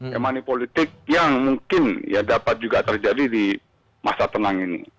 yang manipolitik yang mungkin dapat juga terjadi di masa tenang ini